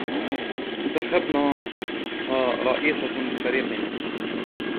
انتخبناها رئيسة لفريقنا.